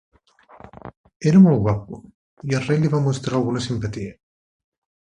Era molt guapo i el rei li va mostrar alguna simpatia.